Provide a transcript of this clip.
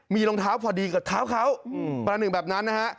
มีรองเท้าพอดีกับเท้าเขาประหนึ่งแบบนั้นนะฮะ